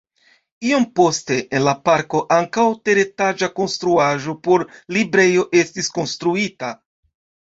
Iom poste en la parko ankaŭ teretaĝa konstruaĵo por librejo estis konstruita.